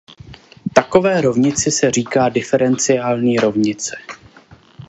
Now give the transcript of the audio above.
Takové rovnici se říká diferenciální rovnice.